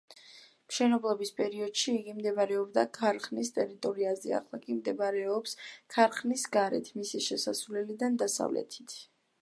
მშენებლობის პერიოდში იგი მდებარეობდა ქარხნის ტერიტორიაზე, ახლა კი მდებარეობს ქარხნის გარეთ, მისი შესასვლელიდან დასავლეთით.